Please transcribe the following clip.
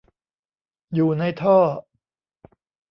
อยู่ในท่อ